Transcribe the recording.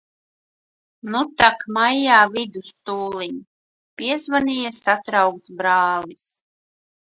Nu tak maijā vidus tūliņ. Piezvanīja satraukts brālis.